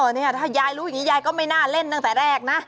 เนี่ยถ้ายายรู้อย่างนี้ยายก็ไม่น่าเล่นตั้งแต่แรกนะ